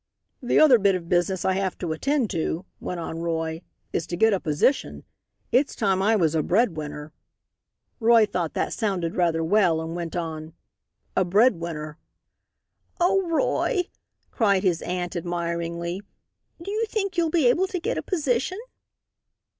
"The other bit of business I have to attend to," went on Roy, "is to get a position. It's time I was a breadwinner." Roy thought that sounded rather well and went on "a breadwinner." "Oh, Roy!" cried his aunt, admiringly, "do you think you'll be able to get a position?"